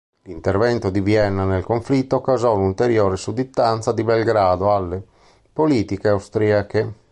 L'intervento di Vienna nel conflitto causò un'ulteriore sudditanza di Belgrado alle politiche austriache.